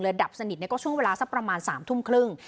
ดับสนิทก็ช่วงเวลาสักประมาณ๓ทุ่มครึ่ง